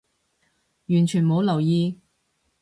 完全冇留意